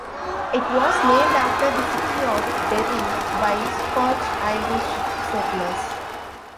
It was named after the city of Derry by Scotch-Irish settlers.